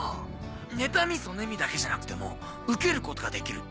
妬み嫉みだけじゃなくてもウケることができる。